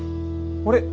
あれ？